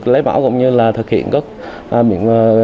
lấy bão cũng như là thực hiện các biện pháp